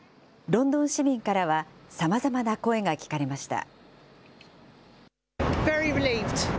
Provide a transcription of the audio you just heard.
ロンドン市民からはさまざまな声が聞かれました。